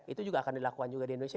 itu juga akan dilakukan juga di indonesia